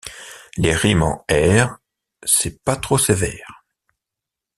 Les rimes en « ère », c’est pas trop sévère.